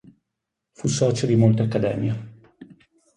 Fu socio di molte accademie.